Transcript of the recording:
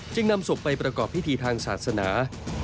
นำศพไปประกอบพิธีทางศาสนา